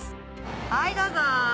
はいどうぞ。